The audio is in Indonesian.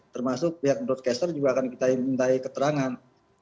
termasuk pihak broadcaster juga akan kita minta keterangan